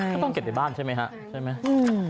ไม่ต้องเก็บในบ้านใช่ไหมครับ